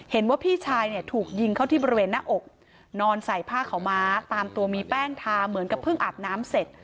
เห็นว่าพี่ชายเนี่ยถูกยิงเข้าที่บริเวณหน้าอกนอนใส่ผ้าขาวม้าตามตัวมีแป้งทาเหมือนกับเพิ่งอาบน้ำเสร็จ